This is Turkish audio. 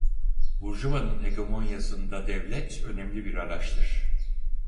Burjuvanın hegemonyasında devlet önemli bir araçtır.